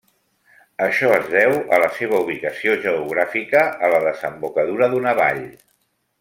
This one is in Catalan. Això es deu a la seva ubicació geogràfica a la desembocadura d'una vall.